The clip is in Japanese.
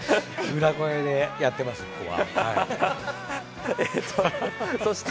裏声でやってます、ここは。